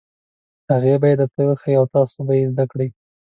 هغه به یې درته وښيي او تاسو به یې زده کړئ.